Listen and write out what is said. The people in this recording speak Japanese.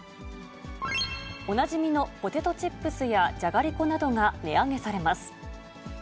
おなじみのポテトチップスやじゃがりこなどが値上げされます。